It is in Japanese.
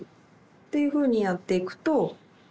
っていうふうにやっていくと。